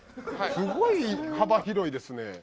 すごい幅広いですね。